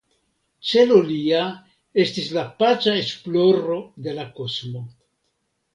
Celo lia estis la paca esploro de la kosmo.